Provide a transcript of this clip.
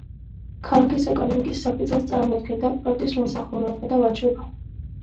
ქალაქის ეკონომიკის საფუძველს წარმოადგენდა პორტის მომსახურება და ვაჭრობა.